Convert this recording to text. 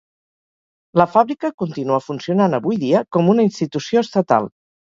La fàbrica continua funcionant avui dia com una institució estatal.